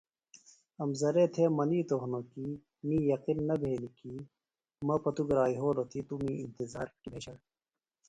امزرے تھےۡ منیتوۡ ہِنوۡ کیۡ می یقِن نہ بھینیۡ کیۡ مہ پتوۡ گرا یھولوۡ تی توۡ می انتظار کیۡ بھیشڑ